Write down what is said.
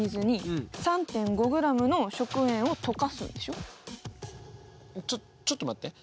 でもちょちょっと待って。